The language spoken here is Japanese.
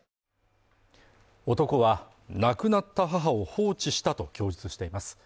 男は亡くなった母を放置したと供述しています